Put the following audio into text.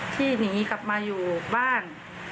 ที่หนีกลับมาอยู่บ้าน